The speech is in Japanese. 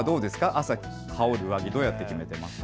朝、羽織る上着どうやって決めていますか。